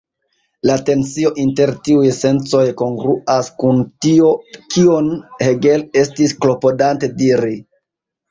La tensio inter tiuj sencoj kongruas kun tio kion Hegel estis klopodante diri.